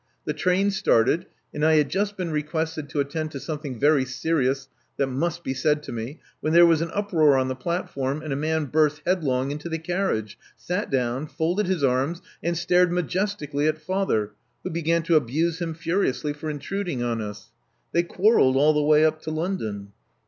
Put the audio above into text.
The , train started, and I had just been requested to attend to something very serious that must be said to me, when there was an uproar on the platform, and a man burst headlong into the carriage ; sat down ; folded his arms; and stared majestically at father, who began to abuse him furiously for intruding on us. They quarrelled all the way up to London.